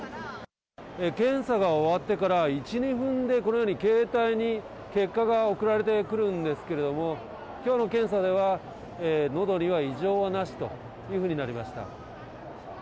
検査が終わってから１、２分で、このように携帯に結果が送られてくるんですけれども、きょうの検査では、のどには異常はなしというふうになりました。